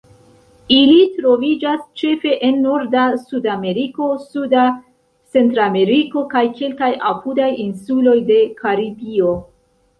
Ili troviĝas ĉefe en norda Sudameriko, suda Centrameriko, kaj kelkaj apudaj insuloj de Karibio.